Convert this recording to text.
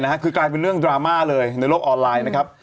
กลายเป็นเรื่องดราม่าเลยในโลกออนไลน์นะครับ